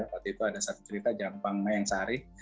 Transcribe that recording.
waktu itu ada satu cerita jampang mayang sari